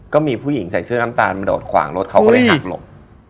ก็มีผู้หญิงใส่เสื้อน้ำตาลมาโดดขวางรถเขาก็เลยหักหลบ